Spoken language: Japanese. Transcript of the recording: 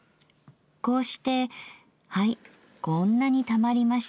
こうして『はいこんなに溜まりました』